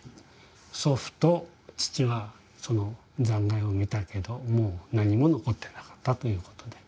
祖父と父はその残骸を見たけどもう何も残ってなかったということで。